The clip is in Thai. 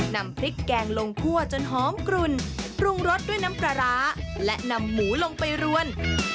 นำพริกแกงลงคั่วจนหอมกลุ่นปรุงรสด้วยน้ำปลาร้าและนำหมูลงไปรวน